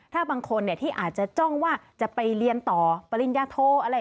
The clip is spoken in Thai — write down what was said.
ถ้าบางคนที่อาจจะจ้องว่าจะไปเรียนต่อปริญญาโทอะไร